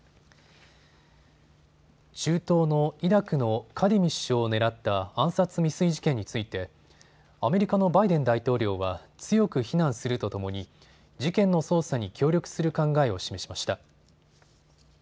中東のイラクのカディミ首相を狙った暗殺未遂事件についてアメリカのバイデン大統領は強く非難するとともに事件の捜査に協力する考えを示しました。